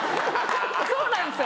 そうなんですか。